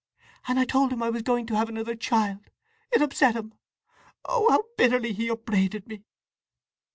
And I told him I was going to have another child. It upset him. Oh how bitterly he upbraided me!"